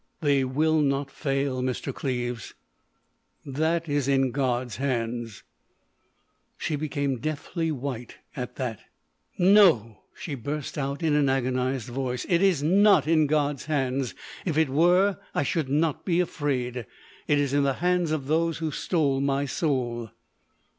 "They will not fail, Mr. Cleves." "That is in God's hands." She became deathly white at that. "No," she burst out in an agonised voice, "it is not in God's hands! If it were, I should not be afraid! It is in the hands of those who stole my soul!"